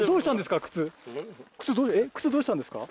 どうしたんですか？